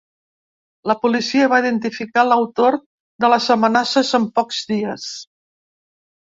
La policia va identificar l’autor de les amenaces en pocs dies.